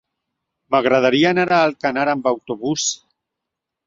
M'agradaria anar a Alcanar amb autobús.